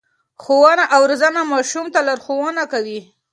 ښوونه او روزنه ماشوم ته لارښوونه کوي.